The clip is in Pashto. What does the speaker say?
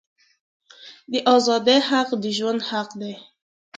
د آزادی حق د ژوند حق دی.